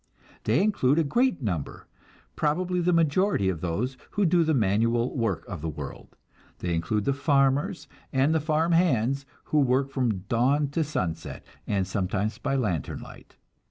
They include a great number, probably the majority of those who do the manual work of the world. They include the farmers and the farm hands, who work from dawn to sunset, and sometimes by lantern light.